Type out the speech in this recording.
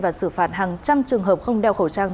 và xử phạt hàng trăm trường hợp không đeo khẩu trang